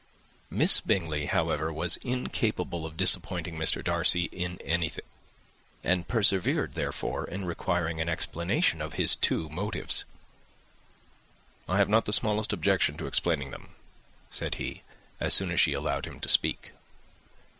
Miss Bingley, however, was incapable of disappointing Mr. Darcy in anything, and persevered, therefore, in requiring an explanation of his two motives. "I have not the smallest objection to explaining them," said he, as soon as she allowed him to speak.